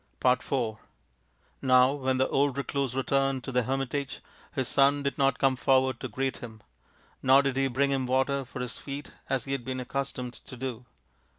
IV Now when the old recluse returned to the hermitage his son did not come forward to greet him : nor did he bring him water for his feet as he had been accustomed to do.